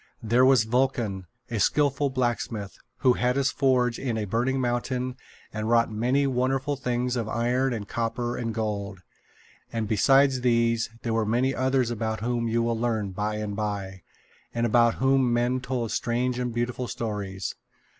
There was Vulcan, a skillful blacksmith, who had his forge in a burning mountain and wrought many wonderful things of iron and copper and gold. And besides these, there were many others about whom you will learn by and by, and about whom men told strange and beautiful stories.